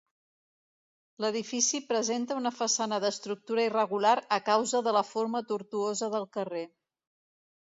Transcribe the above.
L'edifici presenta una façana d'estructura irregular a causa de la forma tortuosa del carrer.